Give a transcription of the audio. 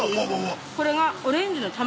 これがオレンジの卵。